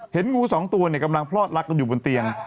เห็นงู๒ตัวเนี่ยกำลังพรอดลักษณ์กันอยู่บนเตียง